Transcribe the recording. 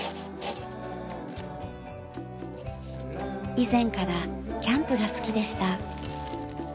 以前からキャンプが好きでした。